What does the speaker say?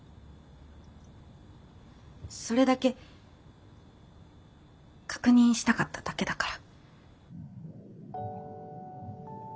それだけ確認したかっただけだから。